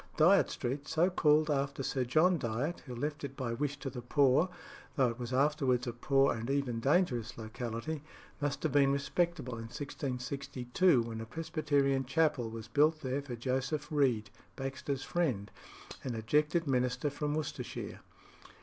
Dyot Street, so called after Sir John Dyot, who left it by wish to the poor, though it was afterwards a poor and even dangerous locality, must have been respectable in 1662, when a Presbyterian chapel was built there for Joseph Read, Baxter's friend, an ejected minister from Worcestershire.